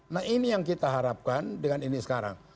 nah ini yang kita harapkan dengan ini sekarang